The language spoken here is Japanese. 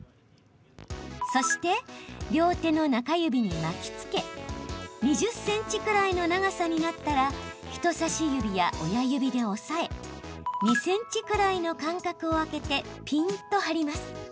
そして、両手の中指に巻きつけ２０ｃｍくらいの長さになったら人さし指や親指で押さえ２ｃｍくらいの間隔を空けてピンと張ります。